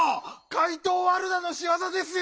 ⁉かいとうワルダのしわざですよ！